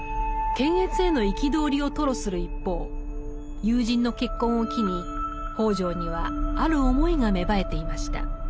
検閲への憤りを吐露する一方友人の結婚を機に北條にはある思いが芽生えていました。